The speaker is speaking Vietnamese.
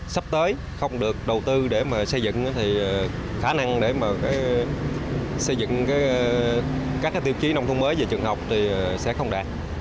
sắp tới không được đầu tư để mà xây dựng thì khả năng để mà xây dựng các tiêu chí nông thôn mới về trường học thì sẽ không đạt